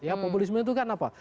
ya populisme itu kan apa